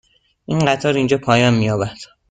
این قطار اینجا پایان می یابد.